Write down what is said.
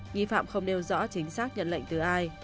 nghi phạm không nêu rõ chính xác nhận lệnh từ ai